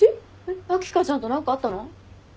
秋香ちゃんと何かあったの？